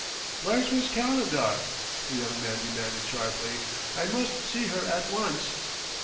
"Where's Miss Calendar?" the young man demanded sharply. "I must see her at once!"